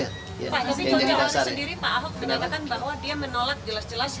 pak tapi jawabannya sendiri pak ahok menyatakan bahwa dia menolak jelas jelas